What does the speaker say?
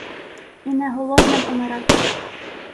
І не голодним умирать.